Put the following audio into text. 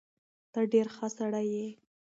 ته ډېر ښه سړی یې.